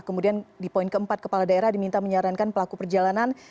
kemudian di poin keempat kepala daerah diminta menyarankan pelaku perjalanan